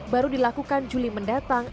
baru dilakukan juli mendatang